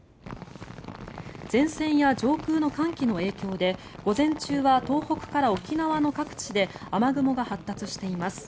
前線や上空の寒気の影響で午前中は東北から沖縄の各地で雨雲が発達しています。